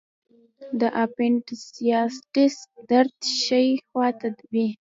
د اپنډیسایټس درد ښي خوا ته وي.